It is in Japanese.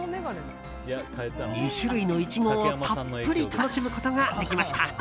２種類のイチゴをたっぷり楽しむことができました。